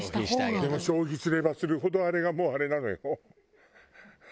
でも消費すればするほどあれがもうあれなのよ。